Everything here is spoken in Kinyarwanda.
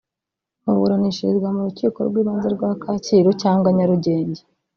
baburanishirizwa mu rukiko rw’ibanze rwa Kacyiru cyangwa Nyarugenge